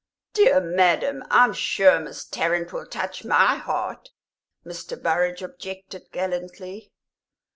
"Dear madam, I'm sure Miss Tarrant will touch my heart!" Mr. Burrage objected, gallantly.